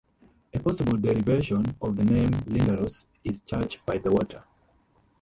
A possible derivation of the name "Lindores" is 'church by the water'.